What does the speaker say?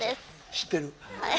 知ってる。